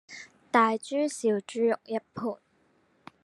大豬小豬肉一盤